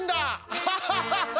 アハハハハハ！